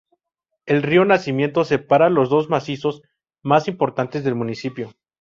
El río Nacimiento separa los dos macizos más importantes del municipio.